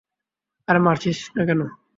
আরে মারছিস না কেন?